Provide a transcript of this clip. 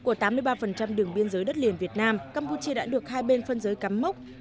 của tám mươi ba đường biên giới đất liền việt nam campuchia đã được hai bên phân giới cắm mốc